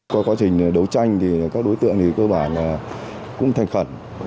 qua quá trình đấu tranh thì các đối tượng thì cơ bản cũng thành khẩn